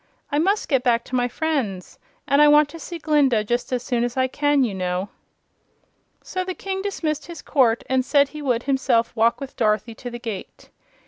"I must get back to my friends. And I want to see Glinda just as soon as I can, you know." So the King dismissed his court and said he would himself walk with Dorothy to the gate.